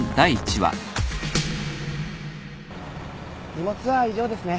荷物は以上ですね。